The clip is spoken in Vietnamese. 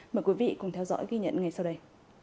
mời quý vị cùng theo dõi ghi nhận ngay sau đây